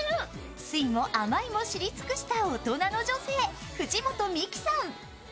酸いも甘いも知り尽くした大人の女性、藤本美貴さん。